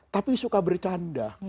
tapi suka bercanda